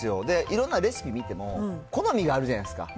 いろんなレシピ見ても、好みがあるじゃないですか。